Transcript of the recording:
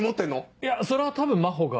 いやそれは多分真帆が。